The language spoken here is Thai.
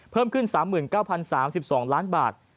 เพิ่มขึ้น๓๙๐๓๒ล้านบาท